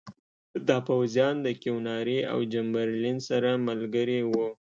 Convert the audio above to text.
دا پوځیان د کیوناري او چمبرلین سره ملګري وو.